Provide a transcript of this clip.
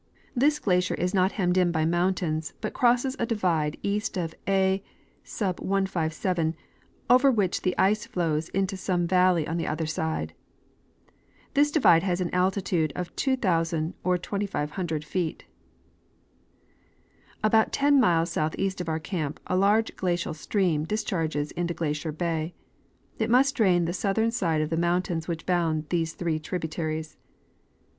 This glacier is not hemmed in by mountains but crosses a divide east of a,3, over which the ice flows into some valley on the other side. This divide has an altitude of 2,000 or 2,500 feet. About ten miles southeast of our camp a large glacial stream discharges into Glacier bay. It must drain the southern side of the mountains which bound these three tributaries.